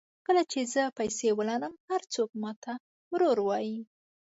کله چې زه پیسې ولرم هر څوک ماته ورور وایي.